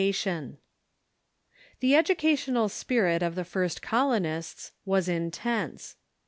] The educational spirit of the first colonists was intense.